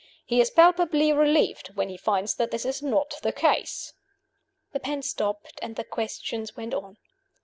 He is palpably relieved when he finds that this is not the case." The pen stopped; and the questions went on.